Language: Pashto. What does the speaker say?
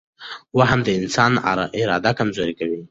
وهم د انسان اراده کمزورې کوي.